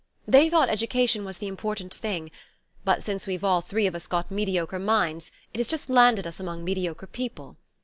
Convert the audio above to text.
They thought education was the important thing; but, since we've all three of us got mediocre minds, it has just landed us among mediocre people.